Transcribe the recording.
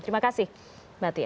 terima kasih mbak tia